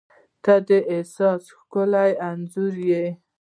• ته د احساس ښکلی انځور یې.